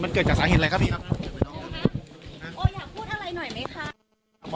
มันเกิดจากประเทศ